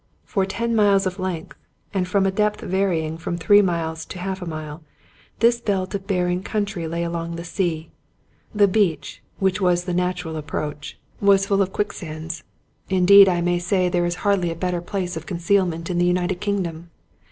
For ten miles of length, and from a depth varying from three miles to half a mile, this belt of barren country lay along the sea. The beach, which was the natural approach, 156 Robert Louis Stevenson was full of quicksands. Indeed I may say there is hardly a better place of concealment in the United Kingdom.